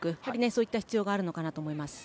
そういった必要があるかと思います。